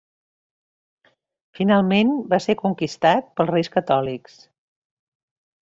Finalment va ser conquistat pels Reis Catòlics.